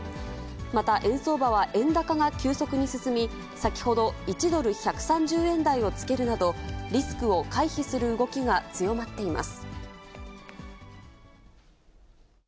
また、円相場は円高が急速に進み、先ほど１ドル１３０円台をつけるなど、リスクを回避する動きが強まっています。